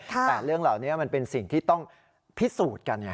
แต่เรื่องเหล่านี้มันเป็นสิ่งที่ต้องพิสูจน์กัน